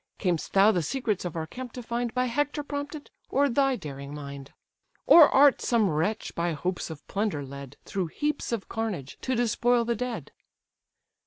Cam'st thou the secrets of our camp to find, By Hector prompted, or thy daring mind? Or art some wretch by hopes of plunder led, Through heaps of carnage, to despoil the dead?"